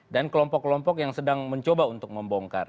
dan kelompok kelompok yang sedang mencoba untuk membongkar